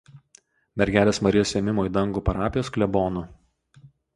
Mergelės Marijos Ėmimo į dangų parapijos klebonu.